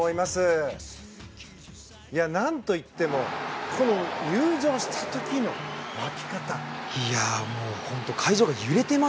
何といってもこの入場した時の沸き方。